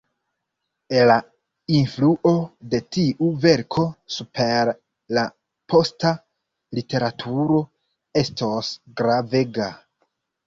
La influo de tiu verko super la posta literaturo estos gravega.